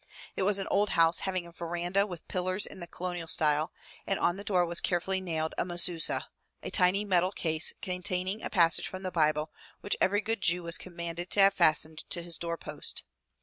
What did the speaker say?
It was an old house having a veranda with pillars in the colonial style, and on the door was carefully nailed a Mezuzah, a tiny metal case containing a passage from the Bible which every good Jew was commanded to have fastened to his doorpost.